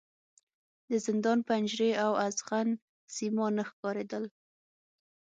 د زندان پنجرې او ازغن سیمان نه ښکارېدل.